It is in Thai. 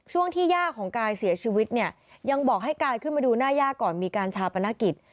ช่วงที่ย่าของกายเสียชีวิตเนี่ยยังบอกให้กายขึ้นมาดูหน้าย่าก่อนมีการชาปนกิจ